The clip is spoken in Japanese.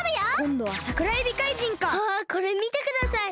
あこれみてください！